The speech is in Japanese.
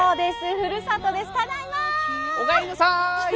ふるさとです。